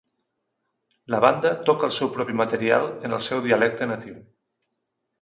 La banda toca el seu propi material en el seu dialecte natiu.